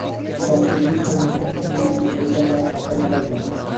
Kitobda bu kabi men uchun yangilik boʻlgan maʼlumotlar talaygina